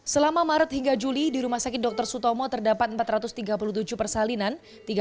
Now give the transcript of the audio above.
selama maret hingga juli di rumah sakit dr sutomo terdapat empat ratus tiga puluh tujuh persalinan